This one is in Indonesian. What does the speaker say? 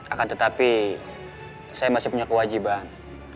akan tetapi saya masih punya kewajiban